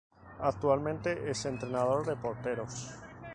Actualmente es Entrenador de porteros.